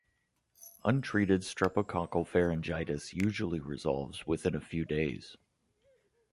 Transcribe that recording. Untreated streptococcal pharyngitis usually resolves within a few days.